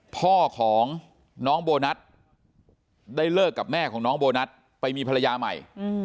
พ่อของน้องโบนัสได้เลิกกับแม่ของน้องโบนัสไปมีภรรยาใหม่